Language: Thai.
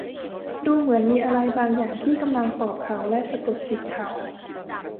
ดูเหมือนมีอะไรบางอย่างที่กำลังปลอบเขาและสะกดจิตเขา